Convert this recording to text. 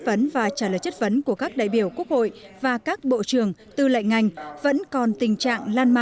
vấn và trả lời chất vấn của các đại biểu quốc hội và các bộ trưởng tư lệnh ngành vẫn còn tình trạng